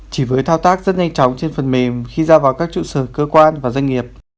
chỉ với thao tác rất nhanh chóng trên phần mềm khi ra vào các trụ sở cơ quan và doanh nghiệp